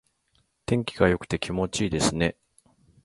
天気が良くて気持ちがいいですね。